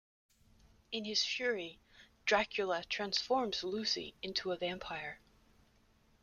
In his fury, Dracula transforms Lucy into a vampire.